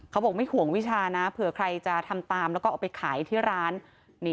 เขาบอกไม่ห่วงวิชานะเผื่อใครจะทำตามแล้วก็เอาไปขายที่ร้าน